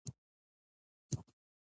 د غزني لیتیم کانونه ولې مهم دي؟